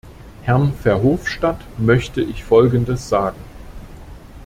Herrn Verhofstadt möchte ich Folgendes sagen.